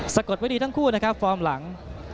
กดไว้ดีทั้งคู่นะครับฟอร์มหลัง